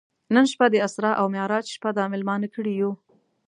نن شپه د اسرا او معراج شپه ده میلمانه کړي یو.